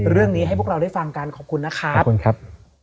เรื่องนี้ให้พวกเราได้ฟังกันขอบคุณนะครับ